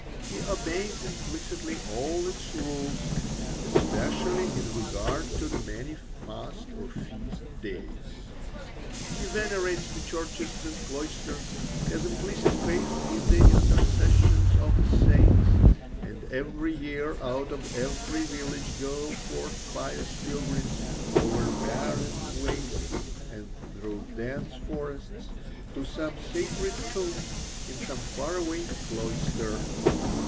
He obeys implicitly all its rules, especially in regard to the many fast or feast days. He venerates the churches and cloisters, has implicit faith in the intercession of the saints, and every year out of every village go forth pious pilgrims over barren wastes and through dense forests to some sacred tomb in some faraway cloister.